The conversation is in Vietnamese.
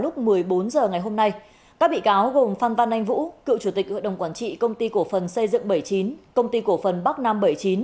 các bị cáo gồm phan văn anh vũ cựu chủ tịch ủy đồng quản trị công ty cổ phần xây dựng bảy mươi chín công ty cổ phần bắc nam bảy mươi chín